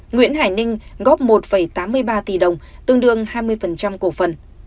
nguyễn hải ninh góp một tám mươi ba tỷ đồng tương đương hai mươi cổ phần